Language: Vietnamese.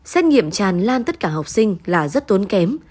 xét nghiệm tràn lan tất cả học sinh là rất tốn kém